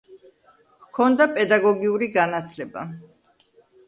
ჰქონდა პედაგოგიური განათლება.